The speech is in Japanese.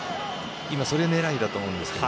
それ狙いだと思うので。